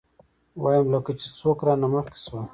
ويم لکه چې څوک رانه مخکې شول.